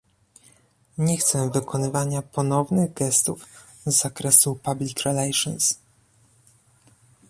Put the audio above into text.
Nie chcę wykonywania ponownych gestów z zakresu public relations